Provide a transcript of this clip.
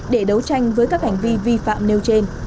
để đấu tranh với các hành vi vi phạm nêu trên